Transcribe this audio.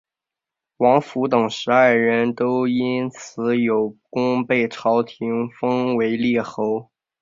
王甫等十二人都因此有功被朝廷封为列侯。